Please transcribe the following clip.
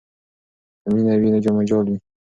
که مینه وي نو مجال وي.